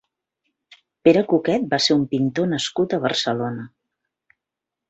Pere Cuquet va ser un pintor nascut a Barcelona.